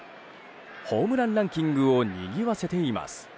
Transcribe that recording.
ホームランランキングをにぎわせています。